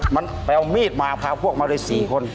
มันไปเอามีดมาพาพวกมาเลย๔คน